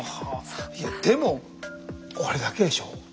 でもこれだけでしょ。